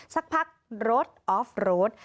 สักพักรถออฟโรด